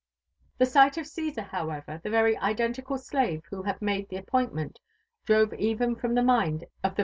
The sight of C«sar however, the very identical sj^ve who had i^ade the appointn^eat, drove ev^n from the m^nd of the.